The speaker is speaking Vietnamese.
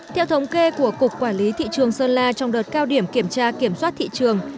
theo thống kê của cục quản lý thị trường sơn la trong đợt cao điểm kiểm tra kiểm soát thị trường